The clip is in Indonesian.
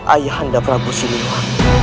ayah anda prabu siliwa